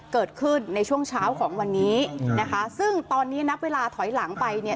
เกิดขึ้นในช่วงเช้าของวันนี้นะคะซึ่งตอนนี้นับเวลาถอยหลังไปเนี่ย